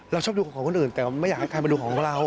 ชอบดูของคนอื่นแต่ไม่อยากให้ใครมาดูของเรา